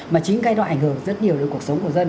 mà chính cái đó ảnh hưởng rất nhiều đến cuộc sống của dân